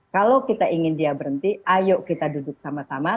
kalau kita ingin dia berhenti ayo kita duduk sama sama